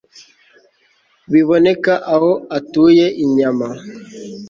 biboneka aho atuye inyama